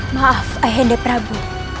maaf ayah henda prabu